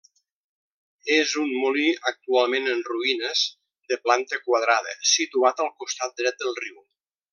És un molí actualment en ruïnes de planta quadrada, situat al costat dret del riu.